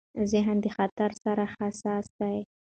ذهن د خطر سره حساس دی.